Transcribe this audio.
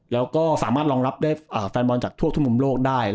แล้วก็สามารถรองรับได้แฟนบอลจากทั่วทุกมุมโลกได้